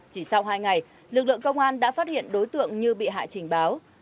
chỉ sau hai ngày lực lượng công an đã phát hiện đối tượng như bị hại trình báo